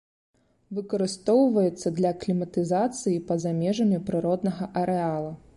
Выкарыстоўваецца для акліматызацыі па-за межамі прыроднага арэала.